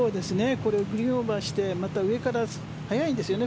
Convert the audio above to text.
これグリーンオーバーして上から速いんですよね